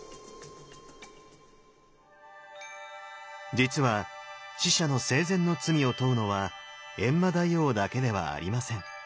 実は死者の生前の罪を問うのは閻魔大王だけではありません。